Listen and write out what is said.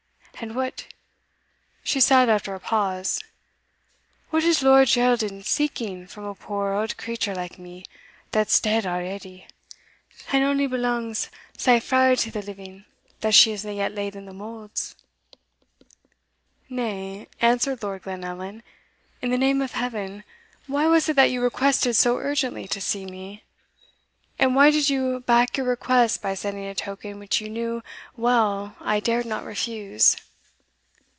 And what," she said after a pause, "what is Lord Geraldin seeking from a poor auld creature like me, that's dead already, and only belongs sae far to the living that she isna yet laid in the moulds?" "Nay," answered Lord Glenallan, "in the name of Heaven, why was it that you requested so urgently to see me? and why did you back your request by sending a token which you knew well I dared not refuse?"